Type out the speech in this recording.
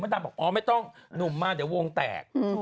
ดำบอกอ๋อไม่ต้องหนุ่มมาเดี๋ยววงแตก